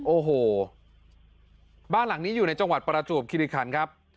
โอ้โหบ้านหลังนี้อยู่ในจังหวัดประจวบคิริคันครับ